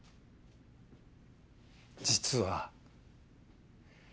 実は。